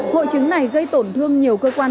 hội chứng này gây tổn thương nhiều cơ quan